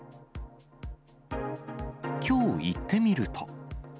きょう行ってみると。